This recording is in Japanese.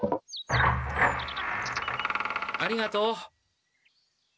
ありがとう。